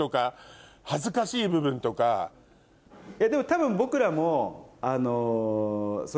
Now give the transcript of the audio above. でも多分僕らもあの。